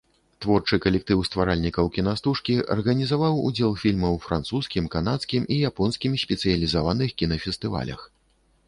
Творчы калектыў стваральнікаў кінастужкі арганізаваў удзел фільма ў французскім, канадскім і японскім спецыялізіраваных кінафестывалях.